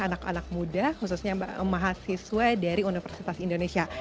anak anak muda khususnya mahasiswa dari universitas indonesia